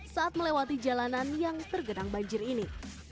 saat melewati jalanan yang tergenang banjir ini